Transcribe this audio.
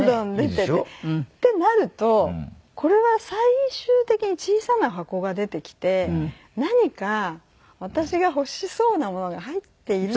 いいでしょ？ってなるとこれは最終的に小さな箱が出てきて何か私が欲しそうなものが入っているのかと。